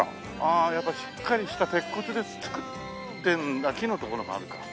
あやっぱりしっかりした鉄骨で造ってあっ木のところもあるか。